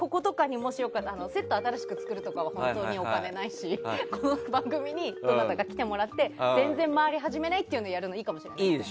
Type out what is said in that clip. セット新しく作るとかは本当にお金ないし、この番組にどなたか来てもらって全然回り始めないっていうのいいかもしれないですね。